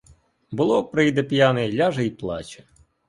Було, прийде п'яний, ляже й плаче.